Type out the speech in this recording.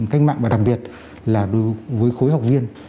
cách mạng và đặc biệt là đối với khối học viên